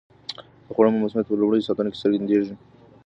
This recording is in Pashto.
د خوړو مسمومیت په لومړیو ساعتونو کې څرګندیږي.